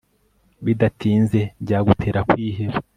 bidatinze byagutera kwiheba